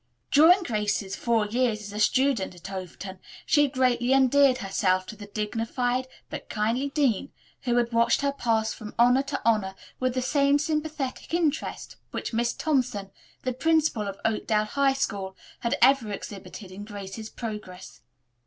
During Grace's four years as a student at Overton she had greatly endeared herself to the dignified, but kindly, dean, who had watched her pass from honor to honor with the same sympathetic interest which Miss Thompson, the principal of Oakdale High School, had ever exhibited in Grace's progress.